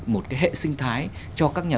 một cái hệ sinh thái cho các nhà